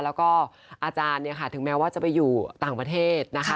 แล้วก็อาจารย์เนี่ยค่ะถึงแม้ว่าจะไปอยู่ต่างประเทศนะคะ